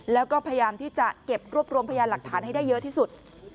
แล้วก็พยายามที่จะเก็บรวบรวมพยานหลักฐานให้ได้เยอะที่สุด